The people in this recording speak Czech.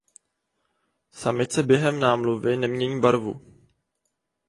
Samice během námluvy nemění barvu.